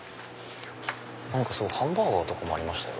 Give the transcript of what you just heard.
ハンバーガーとかもありましたよ